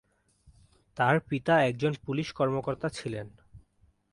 তার পিতা একজন পুলিশ কর্মকর্তা ছিলেন।